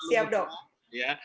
iya siap dok